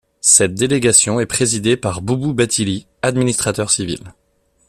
Cette délégation est présidée par Boubou Bathily, administrateur civil.